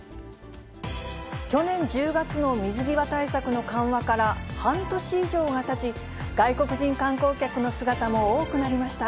去年１０月の水際対策の緩和から半年以上がたち、外国人観光客の姿も多くなりました。